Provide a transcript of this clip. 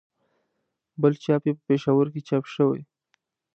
بل چاپ یې په پېښور کې چاپ شوی.